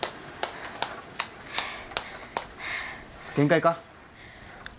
限界か？